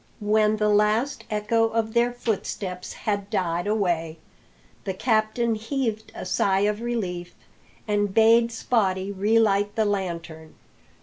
When the last echo of their footsteps had died away, the captain heaved a sigh of relief, and bade Spottie relight the lantern.